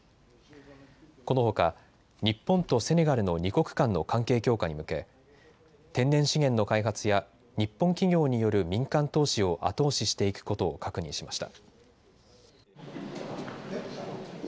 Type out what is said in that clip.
このほか日本とセネガルの２国間の関係強化に向け天然資源の開発や日本企業による民間投資を後押ししていくことを確認しました。